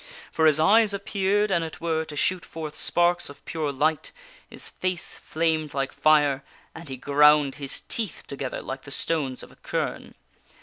For his eyes appeared, an it were, to shoot forth sparks of pure light, his King Arthur face flamed like fire, and he ground his teeth together like the is mr y an s r y stones of a quern.